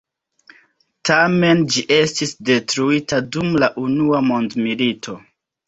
Tamen ĝi estis detruita dum la Unua mondmilito.